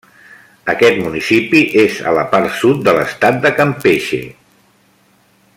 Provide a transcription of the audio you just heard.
Aquest municipi és a la part sud de l'estat de Campeche.